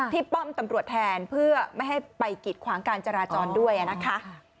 ป้อมตำรวจแทนเพื่อไม่ให้ไปกิดขวางการจราจรด้วยนะคะ